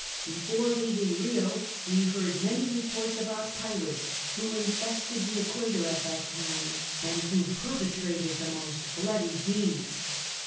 Before leaving Rio we heard many re ports about pirates who infested the equa tor at that time, and who perpetrated the most bloody deeds.